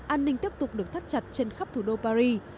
an ninh tiếp tục được thắt chặt trên khắp thủ đô paris